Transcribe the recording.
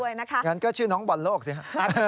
อย่างนั้นก็ชื่อน้องบอดโลกสิครับ